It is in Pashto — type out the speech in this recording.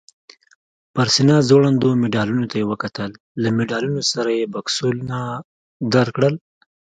پر سینه ځوړندو مډالونو ته یې وکتل، له مډالونو سره یې بکسونه درکړل؟